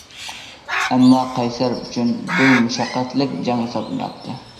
ئەمما قەيسەر ئۈچۈن بىر مۇشەققەتلىك جەڭ ھېسابلىناتتى.